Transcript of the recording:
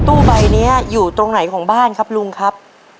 ตู้ใบนี้อยู่ตรงไหนของบ้านครับลุงครับ